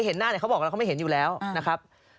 เห็นหน้าเขาบอกว่าเขาไม่เห็นอยู่แล้วนะครับ